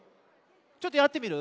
ちょっとやってみる？